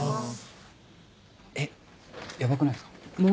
えっヤバくないですか？